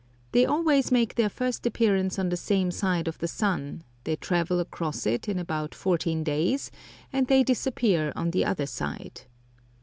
They always make their first appearance on the same side of the sun, they travel across it in about fourteen days, and then they disappear on the other side.